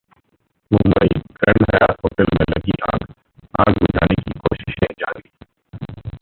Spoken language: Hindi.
मुंबई: ग्रैंड हयात होटल में लगी आग, आग बुझाने की कोशिशे जारी